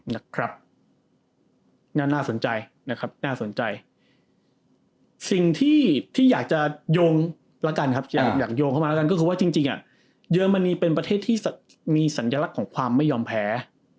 น่าสนใจสิ่งที่อยากจะโยงเข้ามาก็คือว่าจริงเยอร์มันนีเป็นประเทศที่มีสัญลักษณ์ของความไม่ยอมแพ้